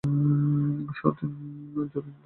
যতীন দ্রুতপদে ঘর হইতে চলিয়া গেল।